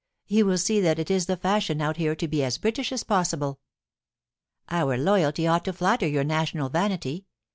You will see that it is the fashion out here to be as British as possible. Our loyalty ought to flatter your national vanity.